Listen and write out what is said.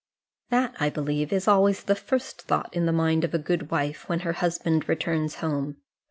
That, I believe, is always the first thought in the mind of a good wife when her husband returns home.